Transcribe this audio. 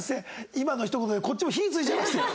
今のひと言でこっちも火ついちゃいまして。